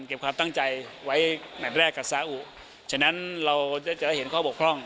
เก็บความตั้งใจไว้แหมดแรกกับสาวุดิอาราเบียนฉะนั้นเราจะจะเห็นข้อบกล้อง